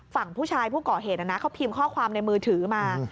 ฝั่งผู้ชายผู้ก่อเหตุเขาพิมพ์ข้อความในมือถือมา